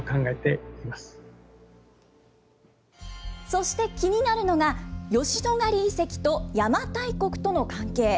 そして気になるのが、吉野ヶ里遺跡と邪馬台国との関係。